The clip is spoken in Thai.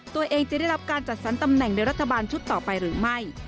ตัวเองจะได้รับการจัดสรรตำแหน่งในรัฐบาลชุดต่อไปหรือไม่